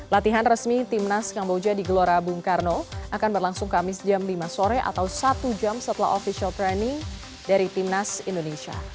latihan resmi timnas kamboja di gelora bung karno akan berlangsung kamis jam lima sore atau satu jam setelah official training dari timnas indonesia